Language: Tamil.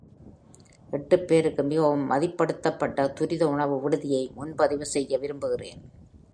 எட்டு பேருக்கு மிகவும் மதிப்பிடப்பட்ட துரித உணவு விடுதியை முன்பதிவு செய்ய விரும்புகிறேன்.